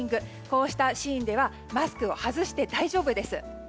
こうしたシーンではマスクを外して大丈夫です。